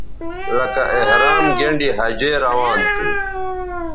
لکہ احرام گینڈی حجے روان تھو